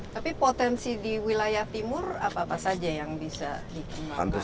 tapi potensi di wilayah timur apa apa saja yang bisa dikembangkan